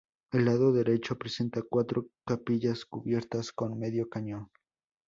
El lado derecho presenta cuatro capillas cubiertas con medio cañón.